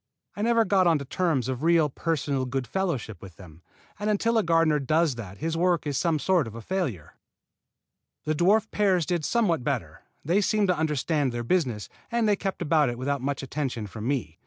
I never got onto terms of real personal goodfellowship with them; and until a gardener does that his work is some sort of a failure. The dwarf pears did somewhat better. They seemed to understand their business, and they kept about it without much attention from me.